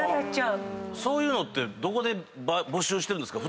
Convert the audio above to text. そういうのってどこで募集してるんですか？